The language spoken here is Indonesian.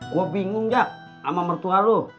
gue bingung jak sama mertua lu